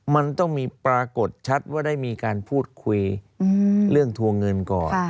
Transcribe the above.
มันต้องมีปรากฏชัดว่าได้มีการพูดคุยเรื่องทวงเงินก่อน